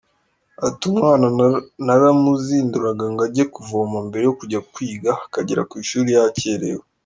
Ati “Umwana naramuzinduraga ngo ajye kuvoma mbere yo kujya kwiga, akagera ku ishuri yakerewe.